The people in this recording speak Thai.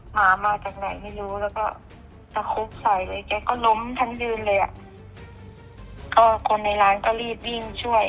หมามาจากไหนไม่รู้แล้วก็สะคุกใส่อะไรอย่างนี้ก็ล้มทั้งยืนเลยคนในร้านก็รีบยิงช่วย